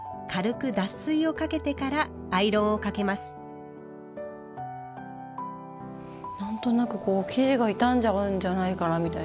一方で何となくこう生地が傷んじゃうんじゃないかなみたいな。